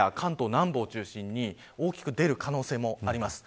静岡や関東南部を中心に大きく出る可能性もあります。